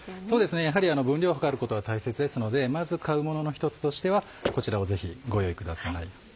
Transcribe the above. そうですねやはり分量を量ることは大切ですのでまず買うものの一つとしてはこちらをぜひご用意ください。